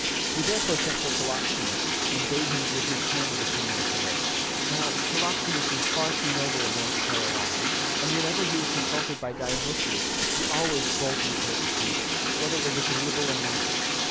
He therefore sent for Philoxenus, and bade him give his candid opinion of the verse. Now, Philoxenus was far too noble a man to tell a lie: and whenever he was consulted by Dionysius, he always boldly told the truth, whether it was agreeable or not.